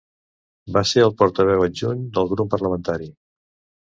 Va ser el portaveu adjunt del grup parlamentari.